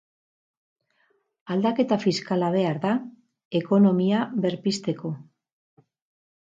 Aldaketa fiskala behar da, ekonomia berpizteko.